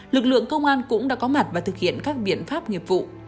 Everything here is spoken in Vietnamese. lực lượng công an cũng đã có mặt và thực hiện các biện pháp nghiệp vụ